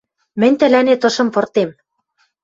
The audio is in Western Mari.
Мӹнь тӹлӓнет ышым пыртем!..